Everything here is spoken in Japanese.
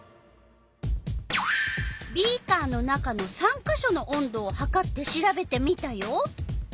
ビーカーの中の３か所の温度をはかってしらべてみたよ。